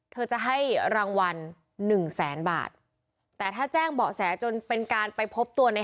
เธอจะให้รางวัลหนึ่งแสนบาทแต่ถ้าแจ้งเบาะแสจนเป็นการไปพบตัวใน